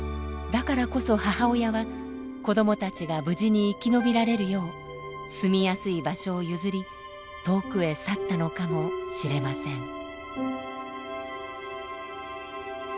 だからこそ母親は子どもたちが無事に生き延びられるよう住みやすい場所を譲り遠くへ去ったのかもしれません。